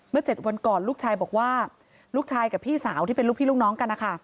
๗วันก่อนลูกชายบอกว่าลูกชายกับพี่สาวที่เป็นลูกพี่ลูกน้องกันนะคะ